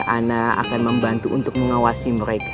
anak akan membantu untuk mengawasi mereka